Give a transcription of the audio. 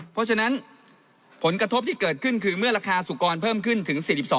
เพราะฉะนั้นผลกระทบที่เกิดขึ้นคือเมื่อราคาสุกรเพิ่มขึ้นถึง๔๒